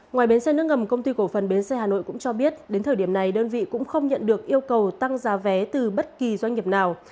ngoài bến xe nước ngầm công ty cổ phần bến xe hà nội cũng cho biết đến thời điểm này đơn vị cũng không nhận được yêu cầu tăng giá vé từ bất kỳ doanh nghiệp nào